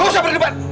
gak usah berdebat